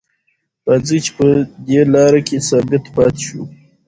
راځئ چې په دې لاره کې ثابت پاتې شو.